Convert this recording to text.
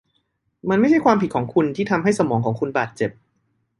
มันไม่ใช่ความผิดของคุณที่ทำให้สมองของคุณบาดเจ็บ